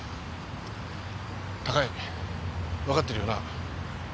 高井わかってるよな？